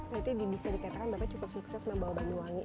nanti bisa dikatakan bapak cukup sukses membawa banyuwangi